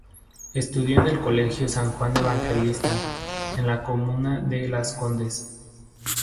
Estudió en el Colegio San Juan Evangelista, en la comuna de Las Condes.